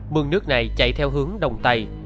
mương nước này chạy theo hướng đồng tây